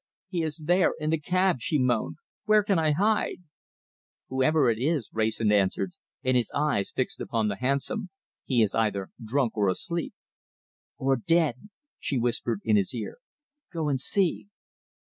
"He is there in the cab," she moaned. "Where can I hide?" "Whoever it is," Wrayson answered, with his eyes fixed upon the hansom, "he is either drunk or asleep." "Or dead!" she whispered in his ear. "Go and see!"